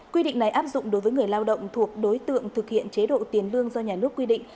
quy định này áp dụng đối với người lao động thuộc đối tượng thực hiện chế độ tiền lương do nhà nước quy định